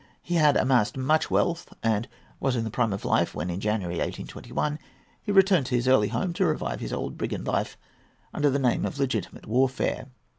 He had amassed much wealth, and was in the prime of life when, in January, 1821, he returned to his early home, to revive his old brigand life under the name of legitimate warfare.